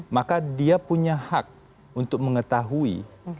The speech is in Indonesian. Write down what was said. maka dia punya hak untuk mengetahui